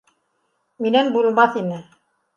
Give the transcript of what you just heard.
Минән булмаҫ ине